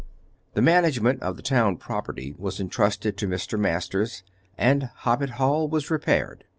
The management of the town property was entrusted to Mr. Masters, and Hoppet Hall was repaired.